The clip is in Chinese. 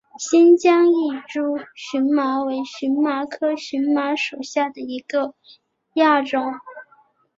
新疆异株荨麻为荨麻科荨麻属下的一个亚种。